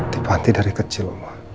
di panti dari kecil ma